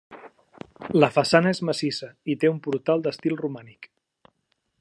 La façana és massissa i té un portal d'estil romànic.